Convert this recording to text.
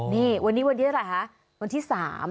นี่วันนี้วันที่เท่าไหร่คะวันที่๓